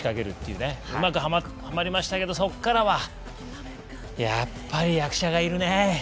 うまく、はまりましたけどそこからはやっぱり役者がいるね。